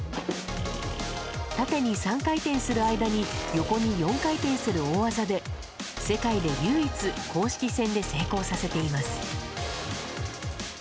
縦に３回転する間に横に４回転する大技で、世界で唯一、公式戦で成功させています。